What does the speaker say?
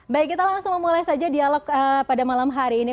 baik kita langsung memulai saja dialog pada malam hari ini